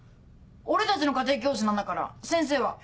俺たちの家庭教師なんだから先生は。